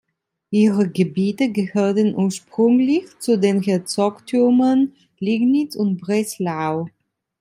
Ihre Gebiete gehörten ursprünglich zu den Herzogtümern Liegnitz und Breslau.